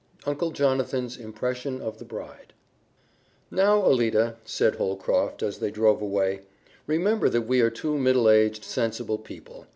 Uncle Jonathan's Impression of the Bride "Now, Alida," said Holcroft, as they drove away, "remember that we are two middle aged, sensible people.